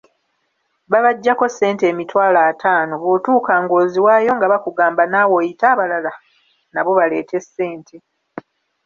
Babaggyako ssente emitwalo ataano bw'otuuka ng'oziwaayo nga bakugamba naawe oyite abalala nabo baleete ssente.